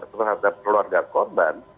terhadap keluarga korban